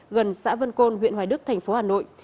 gần xã vân côn huyện hoài đức thành phố hà nội